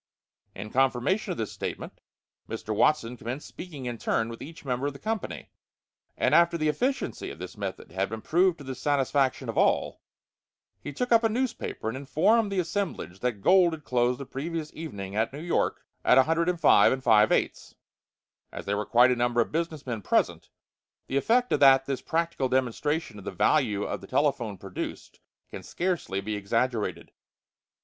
In confirmation of this statement, Mr. Watson commenced speaking in turn with each member of the company; and after the efficiency of this method had been proved to the satisfaction of all, he took up a newspaper and informed the assemblage that gold had closed the previous evening at New York at 105 5/8. As there were quite a number of business men present, the effect that this practical demonstration of the value of the telephone produced can scarcely be exaggerated.